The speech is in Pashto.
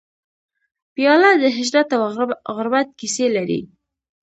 پیاله د هجرت او غربت کیسې لري.